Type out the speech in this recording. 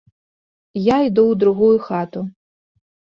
Я іду ў другую хату.